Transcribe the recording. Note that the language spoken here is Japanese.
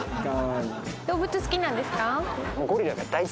動物好きなんですか？